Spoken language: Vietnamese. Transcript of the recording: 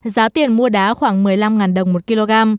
giá tiền mua đá khoảng một mươi năm đồng một kg